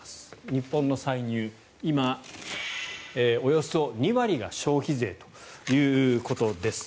日本の歳入、今、およそ２割が消費税ということです。